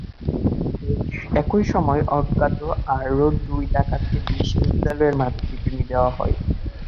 একই সময় অজ্ঞাত আরও দুই ডাকাতকে বিদ্যালয়ের মাঠে পিটুনি দেওয়া হয়।